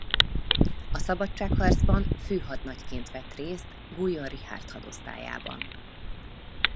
A szabadságharcban főhadnagyként vett részt Guyon Richárd hadosztályában.